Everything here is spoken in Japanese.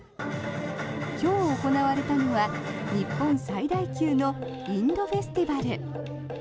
今日行われたのは日本最大級のインドフェスティバル。